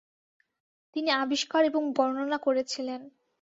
তিনি আবিষ্কার এবং বর্ণনা করেছিলেন।